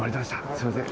すみません。